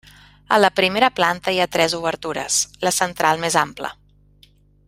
A la primera planta hi ha tres obertures, la central més ampla.